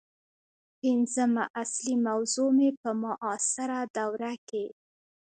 پنځمه اصلي موضوع مې په معاصره دوره کې